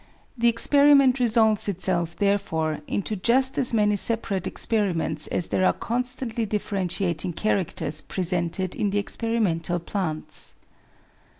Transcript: The experiment resolves itself therefore into just as many separate experiments as there are constantly differentiating characters presented in the experimental plants.